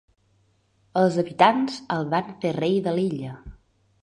Els habitants el van fer rei de l'illa.